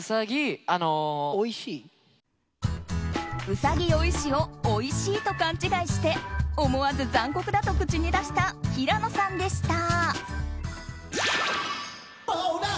ウサギ「追いし」を「おいしい」と勘違いして思わず残酷だと口に出した平野さんでした。